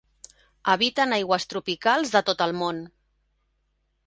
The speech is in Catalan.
Habita en aigües tropicals de tot el món.